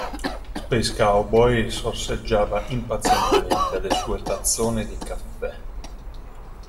Space Cowboy sorseggiava impazientemente le sue tazzone di caffè.